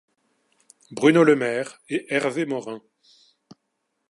Bruno Le Maire et Hervé Morin.